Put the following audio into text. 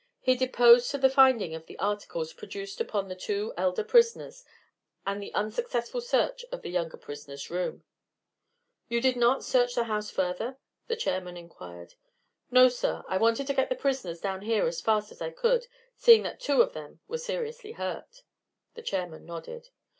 He deposed to the finding of the articles produced upon the two elder prisoners and the unsuccessful search of the younger prisoner's room. "You did not search the house further?" the chairman inquired. "No, sir; I wanted to get the prisoners down here as fast as I could, seeing that two of them were seriously hurt." The chairman nodded.